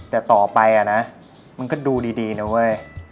แต่ต่อไปนะมันก็ดูดีนะเว้ย